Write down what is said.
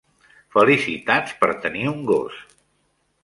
Felicitats per tenir un gos.